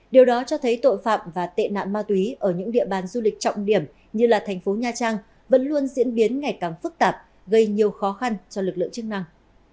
điều đó cho thấy tội phạm và tệ nạn ma túy ở những địa bàn du lịch trọng điểm như là thành phố nha trang vẫn luôn diễn biến ngày càng phức tạp gây nhiều khó khăn cho lực lượng chức năng